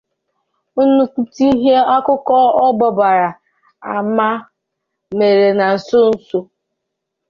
Nnukwu ihe akụkọ ọgbọgba ama mèrè na nsonso a